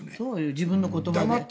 自分の言葉で。